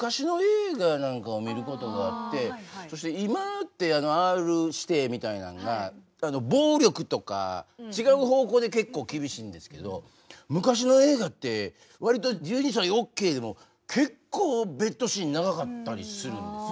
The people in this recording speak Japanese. そして今ってＲ指定みたいなんが暴力とか違う方向で結構厳しいんですけど昔の映画って割と１２歳オッケーでも結構ベッドシーン長かったりするんですよ。